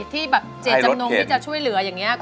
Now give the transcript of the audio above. ที่แบบเจตจำนงที่จะช่วยเหลืออย่างนี้